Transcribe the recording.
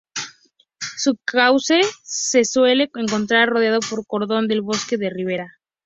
Su cauce se suele encontrar rodeado por un cordón de bosque de ribera.